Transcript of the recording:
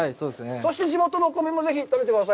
そして、地元のお米も食べてください。